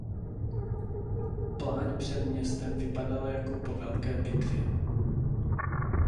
Pláň před městem vypadala jako po velké bitvě.